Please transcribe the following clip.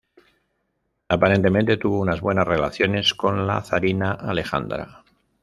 Aparentemente tuvo unas buenas relaciones con la zarina Alejandra.